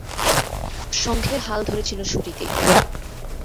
সংঘের হাল ধরে ছিল সুরীতি।